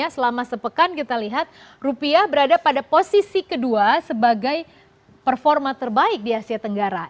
selama sepekan kita lihat rupiah berada pada posisi kedua sebagai performa terbaik di asia tenggara